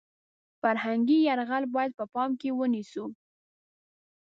فرهنګي یرغل باید په پام کې ونیسو .